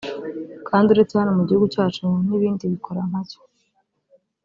Kandi uretse hano mu gihugu cyacu n’ibindi bikora nkacyo